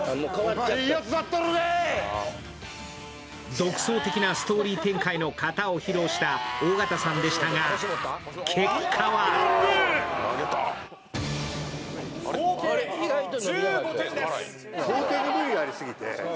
独創的なストーリー展開の形を披露した尾形さんでしたが結果はこれは何？